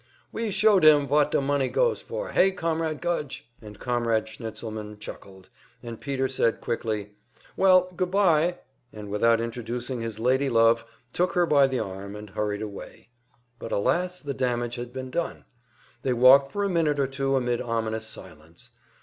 "We show dem vot de money goes for hey, Comrade Gudge!" And Comrade Schnitzelmann chuckled, and Peter said, quickly, "Well, good bye," and without introducing his lady love took her by the arm and hurried away. But alas, the damage had been done! They walked for a minute or two amid ominous silence.